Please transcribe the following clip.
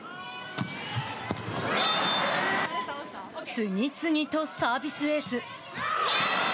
次々とサービスエース。